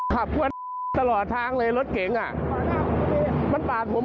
ใช่ไหม